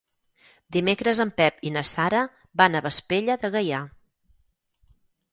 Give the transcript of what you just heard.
Dimecres en Pep i na Sara van a Vespella de Gaià.